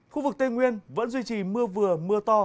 khu vực tây nguyên vẫn duy trì mưa vừa mưa to